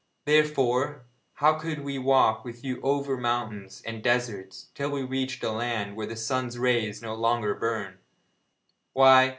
Therefore, how could we walk with you over mountains and deserts, till we reached a land where the sun's rays no longer burn?